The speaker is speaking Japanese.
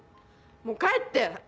もう帰って！